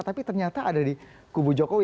tapi ternyata ada di kubu jokowi